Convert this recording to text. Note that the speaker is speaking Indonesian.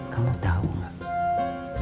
kamu tahu gak